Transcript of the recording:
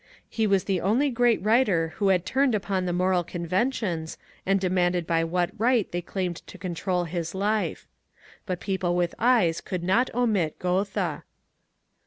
He was the only great writer who had turned upon the moral conventions and demanded by what right they claimed to control his life. But people with eyes could not omit Goethe.